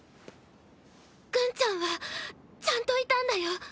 ぐんちゃんはちゃんといたんだよ。